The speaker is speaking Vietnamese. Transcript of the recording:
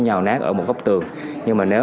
nhào nát ở một góc tường nhưng mà nếu